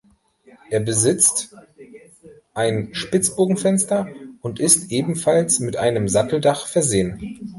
Er besitzt ein Spitzbogenfenster und ist ebenfalls mit einem Satteldach versehen.